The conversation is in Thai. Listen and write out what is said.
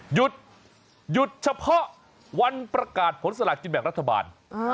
หยุดหยุดเฉพาะวันประกาศผลสลากกินแบ่งรัฐบาล